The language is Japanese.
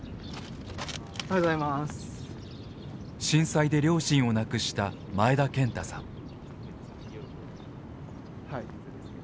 震災で両親を亡くした前田健太さん。